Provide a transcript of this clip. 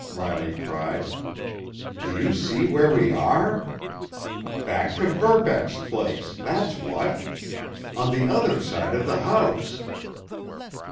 Riley cried. "Do you see where we are? Back to Verbeck's place—that's what! On the other side of the house!"